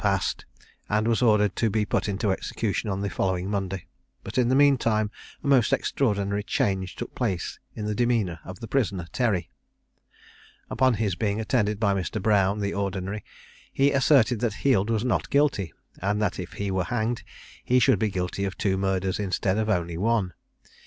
_] passed, and was ordered to be put into execution on the following Monday; but in the mean time a most extraordinary change took place in the demeanour of the prisoner Terry. Upon his being attended by Mr. Brown, the Ordinary, he asserted that Heald was not guilty, and that if he were hanged, he should be guilty of two murders instead of only one.